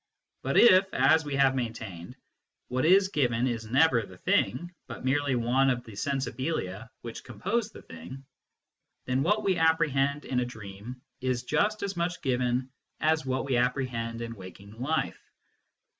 But if, as we have maintained, what is given is never the thing, but merely one of the " sensibilia " which compose the thing, then what we apprehend in a dream is just as much given as what we apprehend in waking life.